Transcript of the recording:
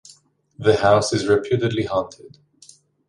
The house is reputedly haunted.